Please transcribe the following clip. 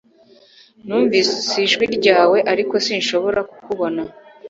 Numvise ijwi ryawe, ariko sinshobora kukubona